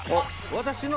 私の。